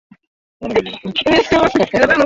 Bwana Yesu upewe sifa.